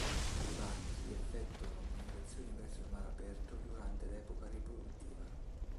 I banchi effettuano migrazioni verso il mare aperto durante l'epoca riproduttiva.